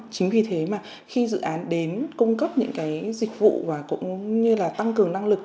chính vì thế mà khi dự án đến cung cấp những cái dịch vụ và cũng như là tăng cường năng lực